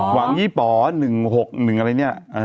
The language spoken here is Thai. หวังยี่ป๋อ๑๖๑อะไรเนี่ย